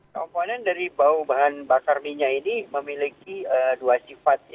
komponen dari bau bahan bakar minyak ini memiliki dua sifat